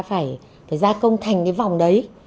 phải phải gia công thành cái vòng đấy